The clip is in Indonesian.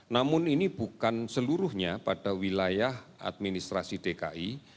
namun ini bukan seluruhnya pada wilayah administrasi dki